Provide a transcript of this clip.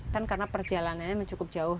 dan karena perjalanannya cukup jauh